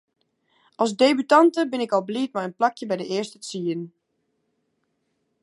As debutante bin ik al bliid mei in plakje by de earste tsien.